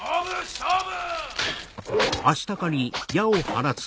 勝負！